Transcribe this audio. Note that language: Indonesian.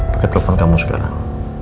pake telfon kamu sekarang